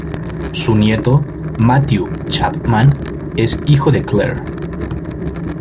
Su nieto Matthew Chapman es hijo de Clare.